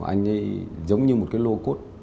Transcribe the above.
anh ấy giống như một cái lô cốt